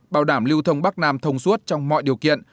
bảo đảm lưu thông bắc nam thông suốt trong mọi điều kiện